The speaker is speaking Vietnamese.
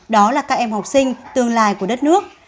đó là các em học sinh tương lai của đất nước